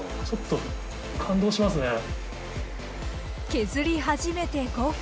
削り始めて５分。